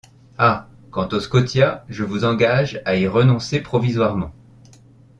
Ah! quant au Scotia, je vous engage à y renoncer provisoirement.